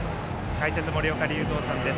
解説、森岡隆三さんです。